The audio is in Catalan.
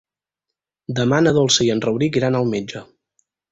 Demà na Dolça i en Rauric iran al metge.